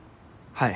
はい。